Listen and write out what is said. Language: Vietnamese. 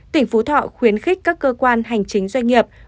tỉnh phú thọ khuyến khích các cơ quan hành chính doanh nghiệp